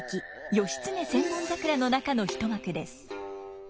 「義経千本桜」の中の一幕です。